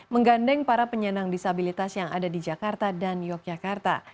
menggandeng para penyandang disabilitas yang ada di jakarta dan yogyakarta